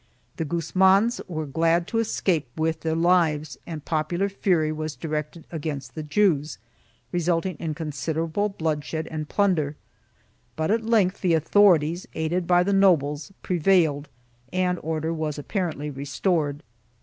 The Guzmans were glad to escape with their lives and popular fury was directed against the Jews, resulting in considerable bloodshed and plunder, but at length the authorities, aided by the nobles, prevailed and order was apparently restored.